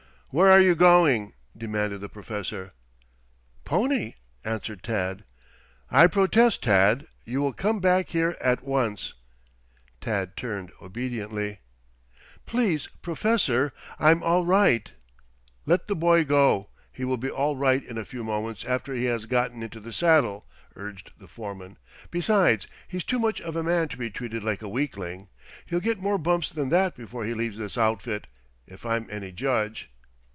"Where are you going?" demanded the Professor. "Pony," answered Tad. "I protest, Tad. You will come back here at once." Tad turned obediently. "Please, Professor. I'm all right." "Let the boy go. He will be all right in a few moments after he has gotten into the saddle," urged the foreman. "Besides, he's too much of a man to be treated like a weakling. He'll get more bumps than that before he leaves this outfit, if I'm any judge."